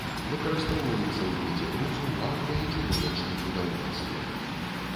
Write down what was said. Выкарыстоўваецца ў відзе друзу ў аўта- і чыгуначным будаўніцтве.